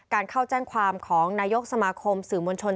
เข้าแจ้งความของนายกสมาคมสื่อมวลชน